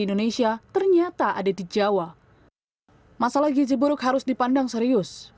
menurut pemerintah dalam jangka panjang ini dapat menghambat pertumbuhan ekonomi dan produktivitas pasar kerja